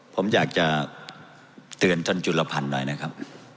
ผมอยากจะเตือนท่านจุลพันธ์หน่อยนะครับ